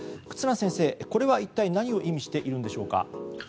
忽那先生、これは一体何を意味しているのでしょうか。